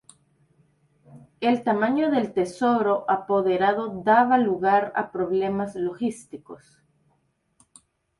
El tamaño del tesoro apoderado daba lugar a problemas logísticos.